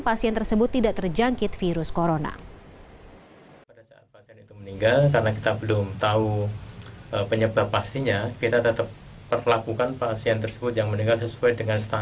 pasien tersebut tidak terjangkit virus corona